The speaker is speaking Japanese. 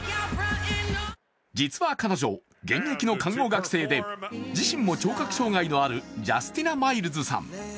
実は彼女、現役の看護学生で自身も聴覚障害のあるジャスティナ・マイルズさん。